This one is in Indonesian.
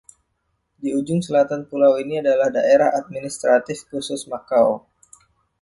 Di ujung selatan pulau ini adalah Daerah Administratif Khusus Makau.